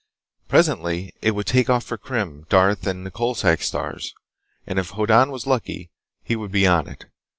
Presently it would take off for Krim, Darth, and the Coalsack Stars, and if Hoddan was lucky he would be on it.